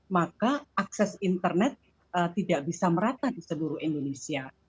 maka akses internet tidak bisa merata di seluruh indonesia